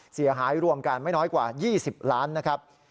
เสียหายรวมกันไม่น้อยกว่า๒๐ล้านนะครับ